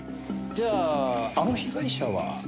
じゃああの被害者は？